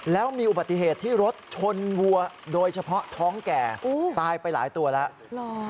แล้วมีอุบัติเหตุที่รถชนวัวโดยเฉพาะท้องแก่ตายไปหลายตัวแล้ว